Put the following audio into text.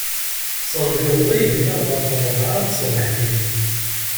Sendiḍelli gneɣ ɣef ṛṛabɛa n tṣebḥit.